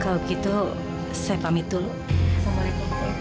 kalau gitu saya pamit dulu